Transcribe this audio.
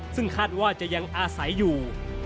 ซึ่งคาดว่าจะยังอาศัยอยู่